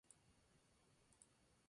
Fuera de Irlanda y el Reino Unido.